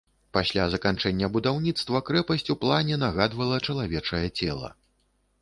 Пасля заканчэння будаўніцтва крэпасць у плане нагадвала чалавечае цела.